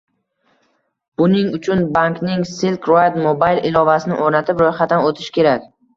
Buning uchun bankning Silk Road Mobile ilovasini o‘rnatib, ro‘yxatdan o‘tish kerak